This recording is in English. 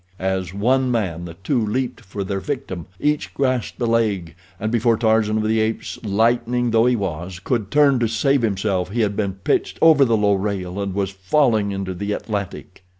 As one man the two leaped for their victim. Each grasped a leg, and before Tarzan of the Apes, lightning though he was, could turn to save himself he had been pitched over the low rail and was falling into the Atlantic.